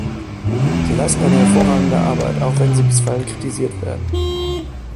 Sie leisten eine hervorragende Arbeit, auch wenn sie bisweilen kritisiert werden.